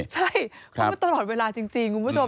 ใช่เพราะว่าตลอดเวลาจริงคุณผู้ชม